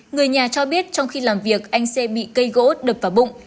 người nhà cho biết trong khi làm việc anh xê bị cây gỗ đập vào bụng